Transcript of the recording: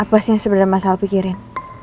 apa sih yang sebenarnya masalah pikirin